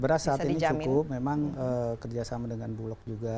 beras saat ini cukup memang kerjasama dengan bulog juga